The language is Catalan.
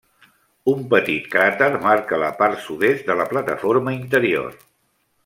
Un petit cràter marca la part sud-est de la plataforma interior.